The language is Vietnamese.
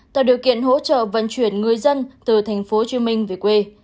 tạo điều kiện hỗ trợ vận chuyển người dân từ thành phố hồ chí minh về quê